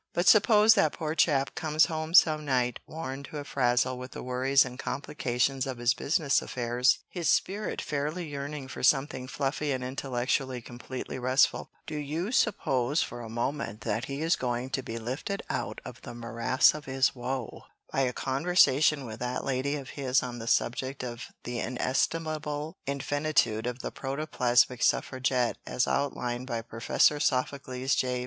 But suppose that poor chap comes home some night worn to a frazzle with the worries and complications of his business affairs, his spirit fairly yearning for something fluffy and intellectually completely restful, do you suppose for a moment that he is going to be lifted out of the morass of his woe by a conversation with that lady of his on the subject of the Inestimable Infinitude of the Protoplasmic Suffragette as outlined by Professor Sophocles J.